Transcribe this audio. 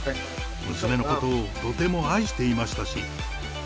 娘のことをとても愛していましたし。